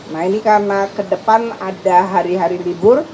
nah ini karena ke depan ada hari hari libur